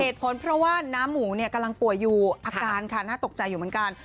เหตุผลเพราะว่าน้าหมูเนี่ยกำลังป่วยอยู่อาการค่ะน่าตกใจอยู่เหมือนกัน